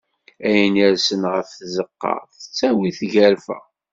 Ayen irsen ɣef tzeqqa, tettawi-t tgerfa.